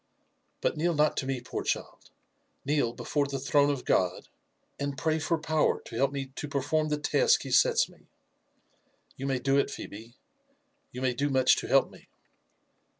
"But kneel not to me, poor child ; kneel before the throne of God, and pray for power to help me to perform the task he sets me. You may do it, Phebe, — ^you may do much to help me."